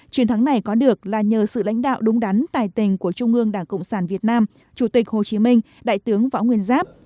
chiến thắng này có được là nhờ sự lãnh đạo đúng đắn tài tình của trung ương đảng cộng sản việt nam chủ tịch hồ chí minh đại tướng võ nguyên giáp